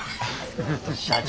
社長。